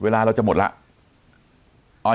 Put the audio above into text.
เวลาเราจะหมดแล้ว